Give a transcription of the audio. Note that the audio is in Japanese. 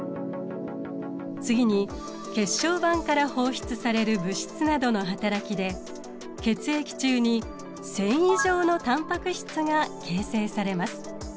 次に血小板から放出される物質などのはたらきで血液中に繊維状のタンパク質が形成されます。